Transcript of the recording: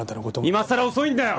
今さら遅いんだよ！